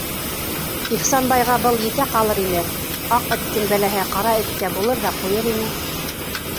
Ихсанбайға был етә ҡалыр ине: аҡ эттең бәләһе ҡара эткә булыр ҙа ҡуйыр ине.